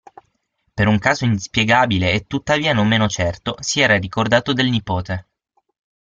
Per un caso inspiegabile e tuttavia non meno certo, si era ricordato del nipote.